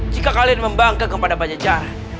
jika kalian membanggang kepada pajajaran